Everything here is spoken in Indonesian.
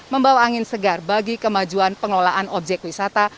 membawa angin segar bagi kemajuan pengelolaan objek wisata